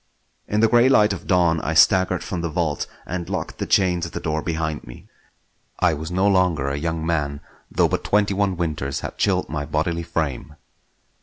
In the grey light of dawn I staggered from the vault and locked the chain of the door behind me. I was no longer a young man, though but twenty one winters had chilled my bodily frame.